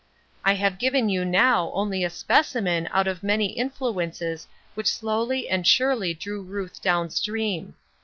I have given you now only a specimen out of many influences which slowly and surely drew Ruth down stream.